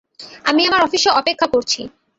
আমি আমার অফিসে অপেক্ষা করছি।